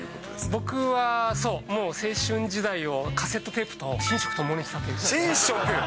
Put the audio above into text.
僕はそう、もう青春時代をカセットテープと寝食共にしたという。